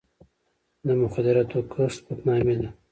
د مخدره توکو کښت بدنامي ده.